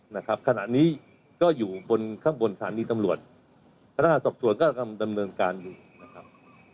นะครับขณะนี้ก็อยู่บนข้างบนสถานีตำลวจส่วนก็กำลังเงินการอยู่นะครับ